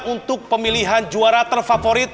untuk pemilihan juara terfavorit